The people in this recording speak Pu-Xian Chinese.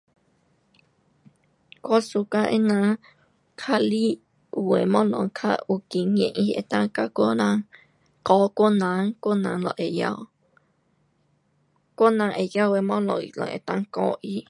我 [suka] 他们 [unintelligible] 有东西比较经验他们教我们我们就会我们会的东西我们可以教他们